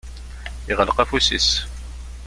Iɣleq afus-is.